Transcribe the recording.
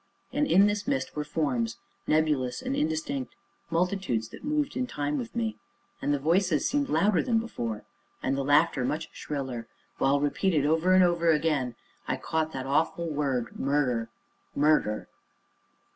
And in this mist were forms, nebulous and indistinct, multitudes that moved in time with me, and the voices seemed louder than before, and the laughter much shriller, while repeated over and over again, I caught that awful word: MURDER, MURDER.